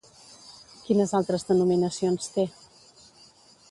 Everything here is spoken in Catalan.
Quines altres denominacions té?